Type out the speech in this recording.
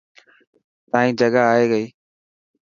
تائن جگا آئي گئي.